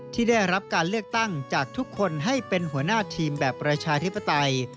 ที่ได้รับการเลือกตั้งจากทุกคนให้เป็นหัวหน้าทีมแบบประชาธิปไตย